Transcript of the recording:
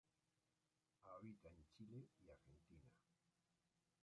Habita en Chile y Argentina.